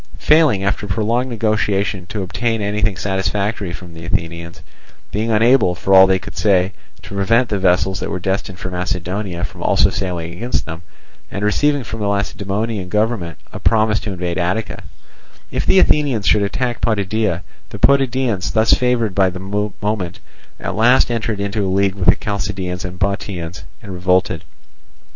Failing after prolonged negotiation to obtain anything satisfactory from the Athenians; being unable, for all they could say, to prevent the vessels that were destined for Macedonia from also sailing against them; and receiving from the Lacedaemonian government a promise to invade Attica, if the Athenians should attack Potidæa, the Potidæans, thus favoured by the moment, at last entered into league with the Chalcidians and Bottiaeans, and revolted.